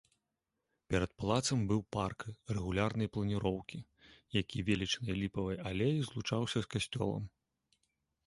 Перад палацам быў парк рэгулярнай планіроўкі, які велічнай ліпавай алеяй злучаўся з касцёлам.